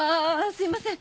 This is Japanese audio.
すいません。